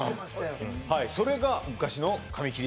それが昔の髪切り